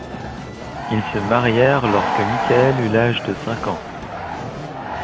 Ils se marièrent lorsque Michael eu l'âge de cinq ans.